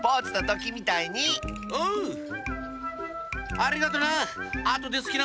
ありがとな！